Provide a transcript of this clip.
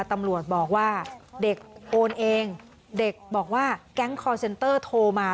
ตำรวจบอกว่าเด็กโอนเองเด็กบอกว่าแก๊งคอร์เซ็นเตอร์โทรมา